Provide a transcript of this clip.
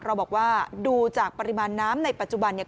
เราบอกว่าดูจากปริมาณน้ำในปัจจุบันเนี่ย